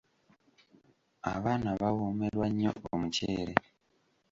Abaana bawoomerwa nnyo omuceere.